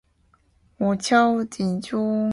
我超，京爷